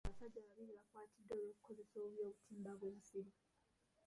Abasajja babiri bakwatiddwa olw'okukozesa obubi obutimba bw'ensiri.